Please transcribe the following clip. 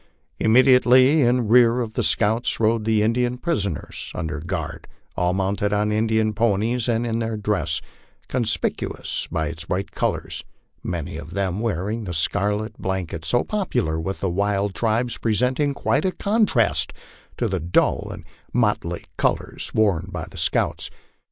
Immediately in rear of the scouts rode the In dian prisoners under guard, all mounted on Indian ponies, and in their dress, conspicuous by its bright colors, many of them wearing the scarlet blanket so popular with the wild tribes, presenting quite a contrast to the dull and motley colors worn by the scouts.